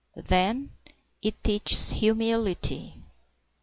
Then, it teaches humility.